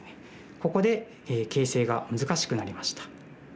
ここで形勢が難しくなりました。